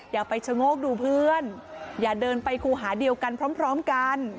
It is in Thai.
อย่าไปชะโงกดูเพื่อนอย่าเดินไปครูหาเดียวกันพร้อมกัน